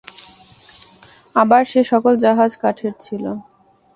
আবার সে-সকল জাহাজ কাঠের ছিল।